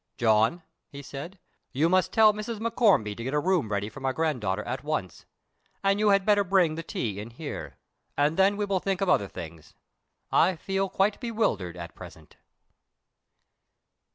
"John," he said, "you must tell Mrs. Morcombe to get a room ready for my grand daughter at once, and you had better bring the tea in here, and then we will think of other things. I feel quite bewildered at present."